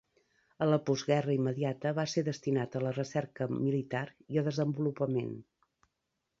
A la postguerra immediata va ser destinat a la recerca militar i a desenvolupament.